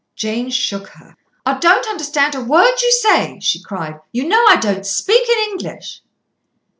Jane shook her. "I don't understand a word you say," she cried. "You know I don't. Speak in English."